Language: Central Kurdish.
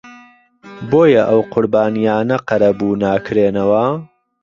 بۆیە ئەو قوربانییانە قەرەبوو ناکرێنەوە